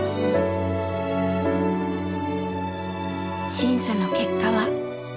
審査の結果は。